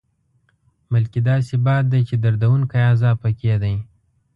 بلکې داسې باد دی چې دردوونکی عذاب پکې دی.